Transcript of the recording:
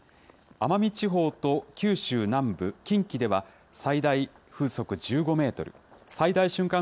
奄美地方と九州南部、近畿では、最大風速１５メートル、最大瞬間